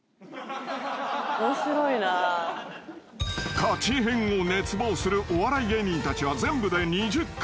［カチヘンを熱望するお笑い芸人たちは全部で２０組］